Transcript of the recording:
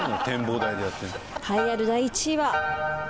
栄えある第１位は。